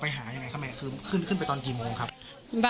ปกติพี่สาวเราเนี่ยครับเป็นคนเชี่ยวชาญในเส้นทางป่าทางนี้อยู่แล้วหรือเปล่าครับ